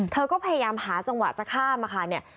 เธอก็พยายามหาจังหวะจะข้ามอะค่ะเนี่ย